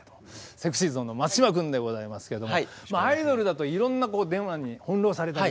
ＳｅｘｙＺｏｎｅの松島君でございますけれどもアイドルだといろんなデマに翻弄されたりとか。